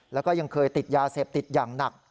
แล้วก็ยังเคยติดยาเสพติดอย่างหนัก